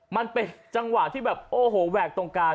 มันเป็นจังหวะที่แบบโอ้โหแหวกตรงกลาง